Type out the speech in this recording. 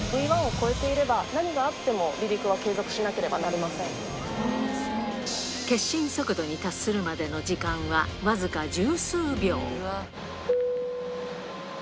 Ｖ１を超えていれば、何があっても離陸は継続しなければなり決心速度に達するまでの時間は僅か十数秒。